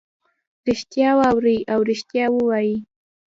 ریښتیا واوري او ریښتیا ووایي.